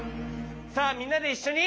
さあみんなでいっしょに。